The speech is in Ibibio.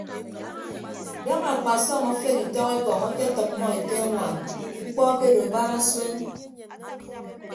Daña akpasọm afeghe itọk ekọñ eketʌmmọ ete añwaan mkpọ akedo barasuen.